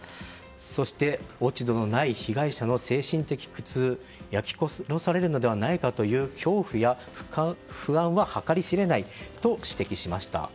そして、落ち度のない被害者の精神的苦痛焼き殺されるのではないかという恐怖や不安は計り知れないと指摘しました。